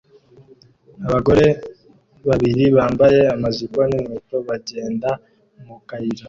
Abagore babiri bambaye amajipo n'inkweto bagenda mu kayira